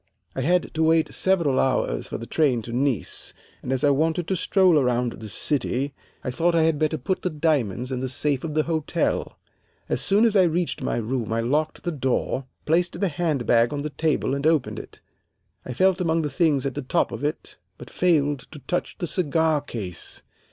"I had to wait several hours for the train to Nice, and as I wanted to stroll around the city I thought I had better put the diamonds in the safe of the hotel. As soon as I reached my room I locked the door, placed the hand bag on the table and opened it. I felt among the things at the top of it, but failed to touch the cigar case.